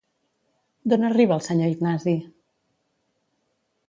D'on arriba el senyor Ignasi?